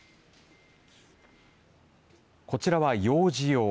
こちらは幼児用。